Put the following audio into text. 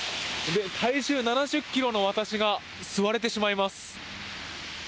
体重７０ｋｇの私が座れてしまいます。